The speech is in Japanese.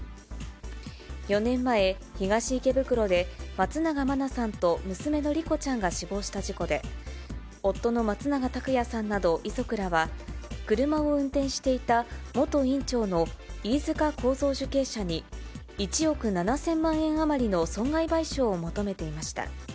４年前、東池袋で松永真菜さんと娘の莉子ちゃんが死亡した事故で、夫の松永拓也さんなど遺族らは、車を運転していた元院長の飯塚幸三受刑者に、１億７０００万円余りの損害賠償を求めていました。